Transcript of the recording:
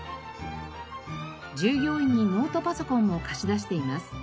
従業員にノートパソコンも貸し出しています。